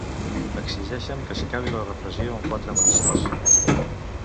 Exigeixen que s'acabi la repressió amb quatre marxes